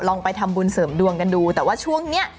ไปทำบุญเสริมดวงกันดูแต่ว่าช่วงนี้